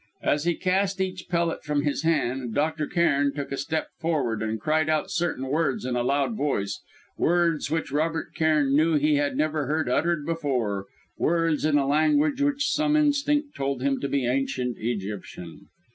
As he cast each pellet from his hand, Dr. Cairn took a step forward, and cried out certain words in a loud voice words which Robert Cairn knew he had never heard uttered before, words in a language which some instinct told him to be Ancient Egyptian.